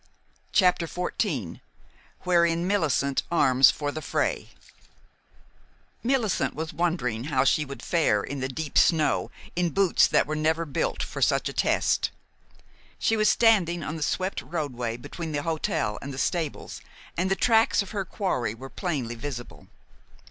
CHAPTER XIV WHEREIN MILLICENT ARMS FOR THE FRAY Millicent was wondering how she would fare in the deep snow in boots that were never built for such a test. She was standing on the swept roadway between the hotel and the stables, and the tracks of her quarry were plainly visible.